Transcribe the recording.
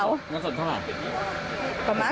รวมแล้วประมาณเท่าไร